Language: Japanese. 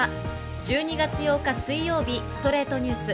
１２月８日、水曜日『ストレイトニュース』。